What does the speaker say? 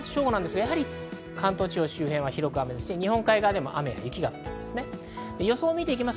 関東地方周辺は広く雨、日本海側でも雨や雪が降っています。